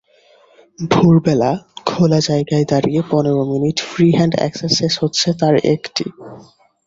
ভোরবেলা খোলা জায়গায় দাঁড়িয়ে পনের মিনিট ফ্রি-হ্যান্ড একসারসাইজ হচ্ছে তার একটি।